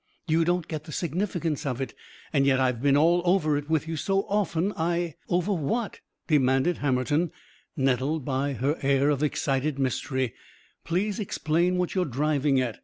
You don't get the significance of it. And yet I've been all over it with you so often! I " "Over what?" demanded Hammerton, nettled by her air of excited mystery. "Please explain what you're driving at.